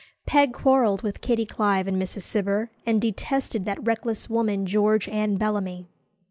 Peg quarrelled with Kitty Clive and Mrs. Cibber, and detested that reckless woman George Anne Bellamy.